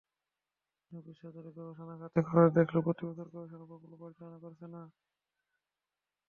অনেক বিশ্ববিদ্যালয় গবেষণা খাতে খরচ দেখালেও প্রতিবছর গবেষণা প্রকল্প পরিচালনা করছে না।